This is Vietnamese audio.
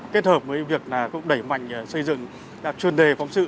kết hợp với việc đẩy mạnh xây dựng các chuyên đề phóng sự